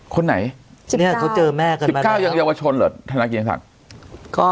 คนไหน๑๙เขาเจอแม่กันมาแล้ว๑๙ยังเยาวชนเหรอธนาคียังสัก